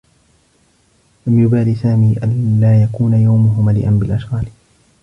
لم يبال سامي أن لا يكون يومه مليئا بالأشغال.